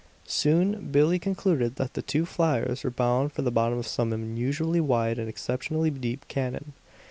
Soon Billie concluded that the two fliers were bound for the bottom of some unusually wide and exceptionally deep canon.